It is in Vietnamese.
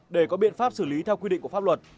để có biện pháp xử lý theo quy định của pháp luật